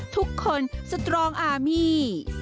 ทุกคนสตรองอามี